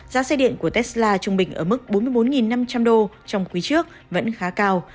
giá xe điện của tesla trung bình ở mức bốn mươi bốn năm trăm linh đô trong quý trước vẫn khá cao